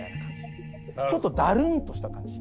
ちょっとだるんとした感じ。